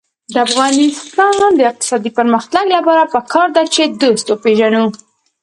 د افغانستان د اقتصادي پرمختګ لپاره پکار ده چې دوست وپېژنو.